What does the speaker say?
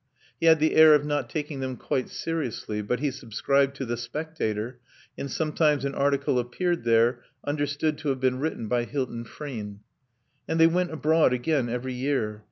He had the air of not taking them quite seriously; but he subscribed to The Spectator, and sometimes an article appeared there understood to have been written by Hilton Frean. And they went abroad again every year.